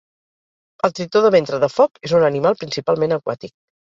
El tritó de ventre de foc és un animal principalment aquàtic.